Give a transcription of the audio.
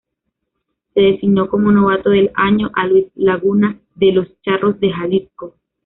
Se designó como novato del año a Luis Lagunas de los Charros de Jalisco.